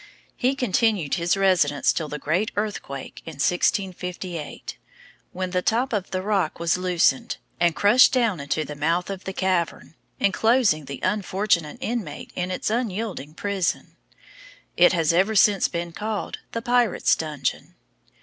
He continued his residence till the great earthquake in 1658, when the top of the rock was loosened, and crushed down into the mouth of the cavern, enclosing the unfortunate inmate in its unyielding prison. It has ever since been called the Pirate's Dungeon.